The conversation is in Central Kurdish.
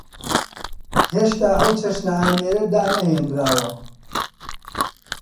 هێشتا ئەو چەشنە ئامێرە دانەهێنراوە.